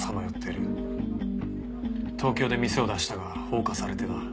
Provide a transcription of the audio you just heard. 東京で店を出したが放火されてな。